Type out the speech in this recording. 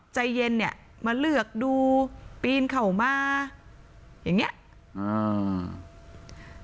ใจเย็นเนี้ยมาเลือกดูปีนเข้ามาอย่างเงี้ยอ่า